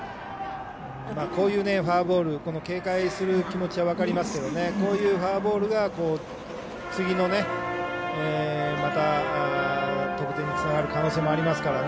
こういうフォアボール警戒する気持ちは分かりますけどこういうフォアボールが次の得点につながる可能性もありますからね。